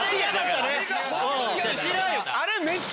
あれ。